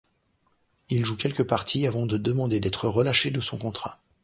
Il joue quelques parties avant de demander d'être relaché de son contrat.